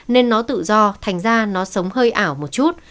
nên nó tự do thành ra nó sống hơi ảo một chút